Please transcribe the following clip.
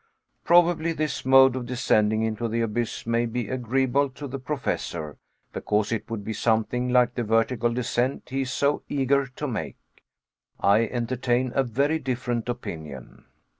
Probably this mode of descending into the abyss may be agreeable to the Professor, because it would be something like the vertical descent he is so eager to make. I entertain a very different opinion.